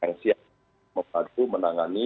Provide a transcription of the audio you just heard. yang siap membantu menangani